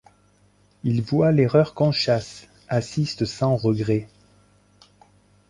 Il voit l'erreur qu'on chasse, assiste sans regrets